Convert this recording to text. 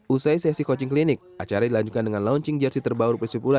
usai sesi coaching klinik acara dilanjutkan dengan launching jersey terbaru persib ula